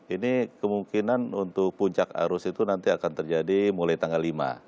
ini kemungkinan untuk puncak arus itu nanti akan terjadi mulai tanggal lima